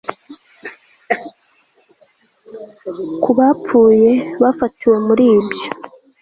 kubapfuye, bafatiwe muri ibyo